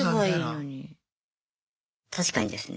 確かにですね。